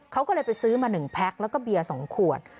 เขาก็เลยไปซื้อมา๑แพ็คแล้วก็เบียร์๒ขวด